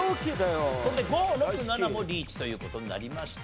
これで５６７もリーチという事になりました。